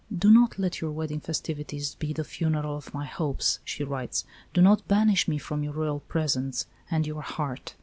"Do not let your wedding festivities be the funeral of my hopes," she writes. "Do not banish me from your Royal presence and your heart.